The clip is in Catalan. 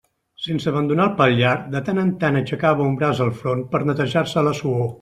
Sense abandonar el pal llarg, de tant en tant aixecava un braç al front per a netejar-se la suor.